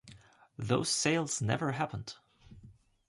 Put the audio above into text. Those sales never happened.